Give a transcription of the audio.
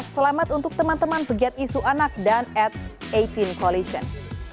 selamat untuk teman teman pegiat isu anak dan at delapan belas coalition